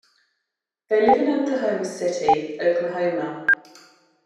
They live in Oklahoma City, Oklahoma.